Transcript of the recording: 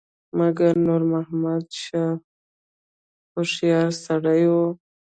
مګر نور محمد شاه هوښیار سړی وو.